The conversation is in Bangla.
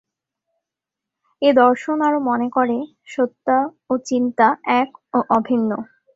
এ দর্শন আরও মনে করে সত্তা ও চিন্তা এক ও অভিন্ন।